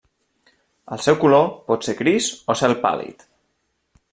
El seu color pot ser gris o cel pàl·lid.